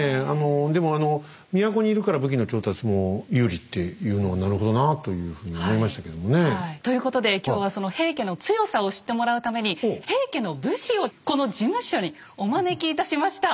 でもあの都にいるから武器の調達も有利っていうのはなるほどなあというふうに思いましたけどもね。ということで今日はその平家の強さを知ってもらうために平家の武士をこの事務所にお招きいたしました！